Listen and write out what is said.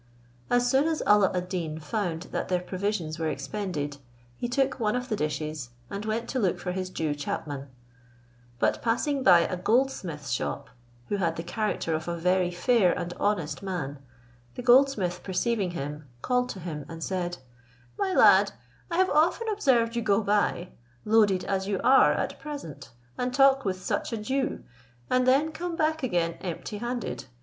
As soon as Alla ad Deen found that their provisions were expended, he took one of the dishes, and went to look for his Jew chapman; but passing by a goldsmith's shop, who had the character of a very fair and honest man, the goldsmith perceiving him, called to him, and said, "My lad, I have often observed you go by, loaded as you are at present, and talk with such a Jew, and then come back again empty handed.